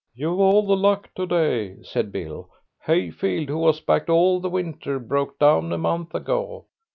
"You've all the luck to day," said Bill. "Hayfield, who was backed all the winter, broke down a month ago....